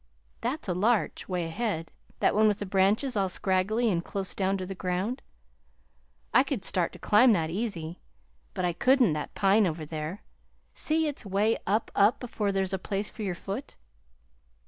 That's a larch 'way ahead that one with the branches all scraggly and close down to the ground. I could start to climb that easy; but I couldn't that pine over there. See, it's 'way up, up, before there's a place for your foot!